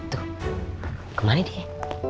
p lari memang salaharsa